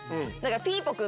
ピーポくん